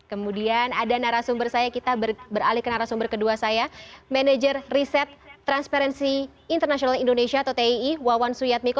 kemudian ada narasumber saya kita beralih ke narasumber kedua saya manajer riset transparency international indonesia atau tii wawan suyadmiko